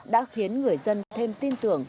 đã khiến người dân thêm tin tưởng